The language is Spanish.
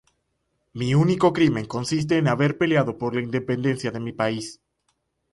Mi único crimen consiste en haber peleado por la Independencia de mi país.